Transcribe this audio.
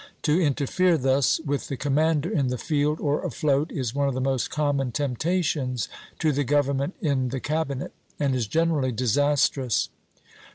To interfere thus with the commander in the field or afloat is one of the most common temptations to the government in the cabinet, and is generally disastrous.